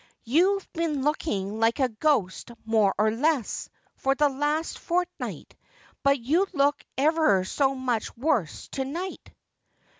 •'You've been looking like a ghost, more or less, for the last fort night, but you look ever so much worse to night.'